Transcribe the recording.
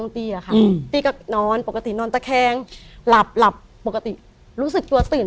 ตัวเราคือ